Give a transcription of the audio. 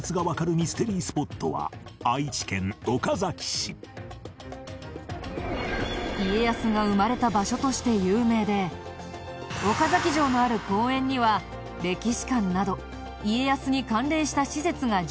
ミステリースポットは家康が生まれた場所として有名で岡崎城のある公園には歴史館など家康に関連した施設が充実。